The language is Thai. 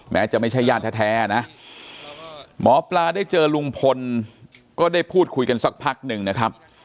แม้จะไม่ใช่ญาติแท้นะหมอปลาได้เจอลุงพลก็ได้พูดคุยกันสักพักหนึ่งนะครับ